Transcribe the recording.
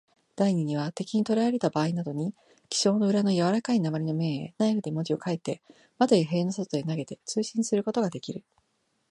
第二には、敵にとらえられたばあいなどに、記章の裏のやわらかい鉛の面へ、ナイフで文字を書いて、窓や塀の外へ投げて、通信することができる。